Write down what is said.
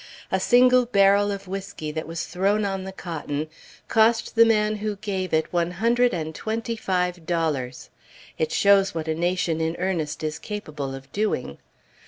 A single barrel of whiskey that was thrown on the cotton, cost the man who gave it one hundred and twenty five dollars. (It shows what a nation in earnest is capable of doing.)